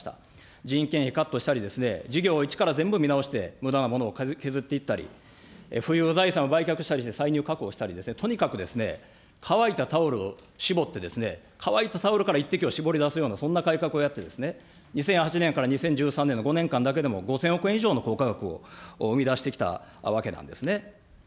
人件費カットしたり、事業を一から全部見直して、むだなものを削っていったり、ふゆう財産を売却して歳入確保したり、とにかく乾いたタオルを絞って、乾いたタオルから一滴をしぼりだすような、そんな改革をやって、２００８年から２０１３年の５年間だけでも５０００億円以上の効果額を生み出してきたわけなんですね。